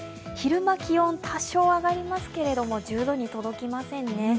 昼間、気温、多少上がりますけど、１０度に届きませんね。